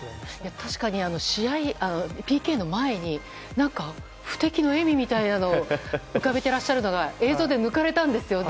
確かにＰＫの前に不敵の笑みみたいなのを浮かべていらっしゃるのが映像で抜かれたんですよね。